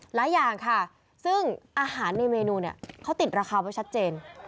หลายอย่างค่ะซึ่งอาหารในเมนูเนี่ยเขาติดราคาไว้ชัดเจน